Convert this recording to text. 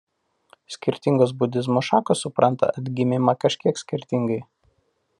Skirtingos budizmo šakos supranta atgimimą kažkiek skirtingai.